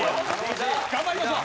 頑張りましょう！